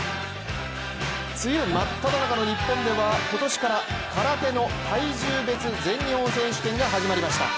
梅雨まっただ中の日本では今年から空手の体重別全日本選手権が始まりました。